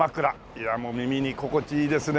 いやあもう耳に心地いいですね。